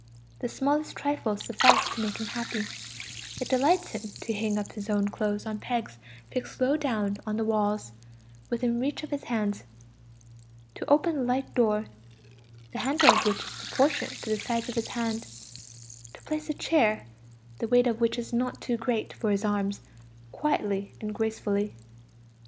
The smallest trifles suffice to make him happy; it delights him to hang up his clothes on pegs fixed low down on the walls, within reach of his hands; to open a light door, the handle of which is proportioned to the size of his hand; to place a chair, the weight of which is not too great for his arms, quietly and gracefully.